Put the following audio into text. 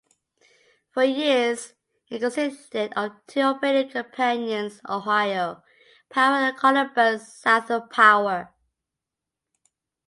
For years, it consisted of two operating companies, Ohio Power and Columbus Southern Power.